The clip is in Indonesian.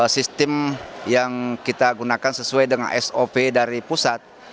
sistem yang kita gunakan sesuai dengan sop dari pusat